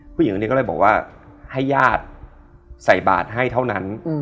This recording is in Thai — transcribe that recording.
ผู้หญิงคนนี้ก็เลยบอกว่าให้ญาติใส่บาทให้เท่านั้น